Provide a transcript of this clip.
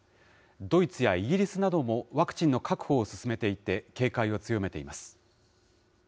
ドイツやイギリスなどもワクチンの確保を進めていて、警戒を強めています。